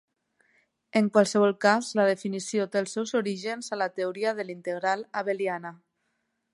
En qualsevol cas, la definició té els seus orígens a la teoria de l"integral abeliana.